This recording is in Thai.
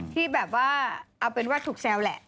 ที่แบบว่าเอาเป็นว่าถูกแซวแหละ